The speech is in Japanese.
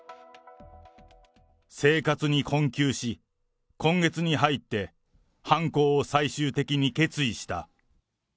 生活に困窮し、今月に入って犯行を最終的に決意した。